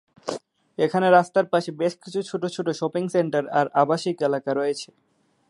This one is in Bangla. এখানে রাস্তার পাশে বেশ কিছু ছোট ছোট শপিং সেন্টার আর আবাসিক এলাকা আছে।